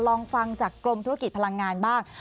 ลองฟังจากกรมธุรกิจพลังงานบ้าง